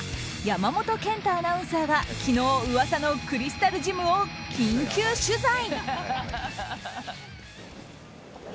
山本賢太アナウンサーが昨日、噂のクリスタルジムを緊急取材。